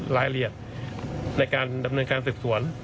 รายละเอียดในการดำเนินการสืบสวน